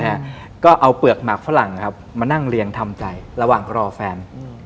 ฮะก็เอาเปลือกหมักฝรั่งครับมานั่งเรียงทำใจระหว่างรอแฟนอืม